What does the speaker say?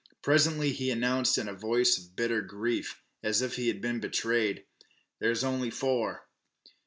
Presently he announced in a voice of bitter grief, as if he had been betrayed "There's on'y four."